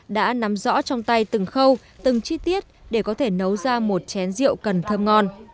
đã nắm rõ trong tay từng khâu từng chi tiết để có thể nấu ra một chén rượu cần thơm ngon